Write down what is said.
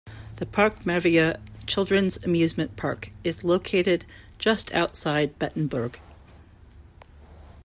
The Parc Merveilleux children's amusement park is located just outside Bettembourg.